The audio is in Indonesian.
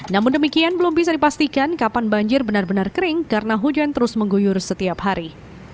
namun demikian belum bisa dipastikan kapan banjir benar benar kering karena hujan terus mengguyur setiap hari